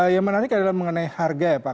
yang menarik adalah mengenai harga ya pak